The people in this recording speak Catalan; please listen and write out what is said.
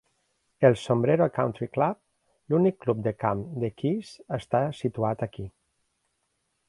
El Sombrero Country Club, l'únic club de camp de Keys, està situat aquí.